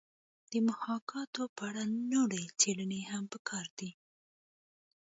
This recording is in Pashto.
د محاکات په اړه نورې څېړنې هم پکار دي